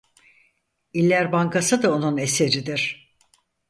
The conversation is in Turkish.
İller Bankası da onun eseridir.